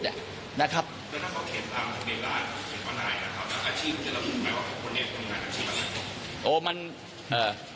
แล้วถ้าเขาเขียนตามเวลาเขียนเมื่อไหร่อาชีพจะรับคุณหมายว่าเป็นคนไหน